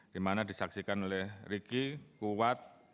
di mana disaksikan oleh riki kuwat